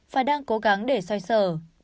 và đang cố gắng để xoay sở